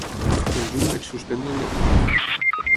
Pel juny vaig suspendre el llatí.